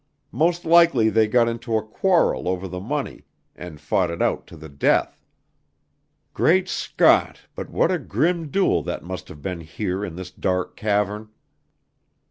Most likely they got into a quarrel over the money, and fought it out to the death. Great Scott! but what a grim duel that must have been here in this dark cavern!"